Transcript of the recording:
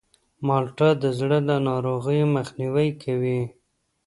مالټه د زړه د ناروغیو مخنیوی کوي.